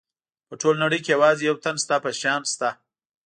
په ټوله نړۍ کې یوازې یو تن ستا په شان شته.